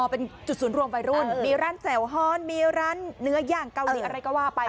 เป็นจุดศูนย์รวมวัยรุ่นมีร้านแจ่วฮ้อนมีร้านเนื้อย่างเกาหลีอะไรก็ว่าไป